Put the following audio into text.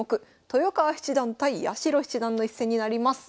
豊川七段対八代七段の一戦になります。